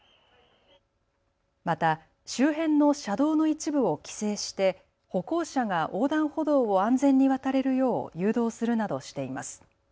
また周辺の車道の一部を規制して歩行者が横断歩道を安全に渡れるよう誘導するなどしています。